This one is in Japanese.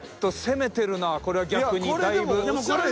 これは逆にだいぶ。